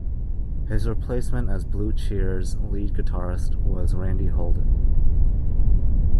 His replacement as Blue Cheer's lead guitarist was Randy Holden.